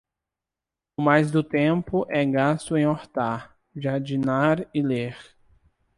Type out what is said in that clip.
O mais do tempo é gasto em hortar, jardinar e ler